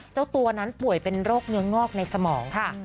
เจ้าตัวนั้นป่วยเป็นโรคเนื้องอกในสมองค่ะ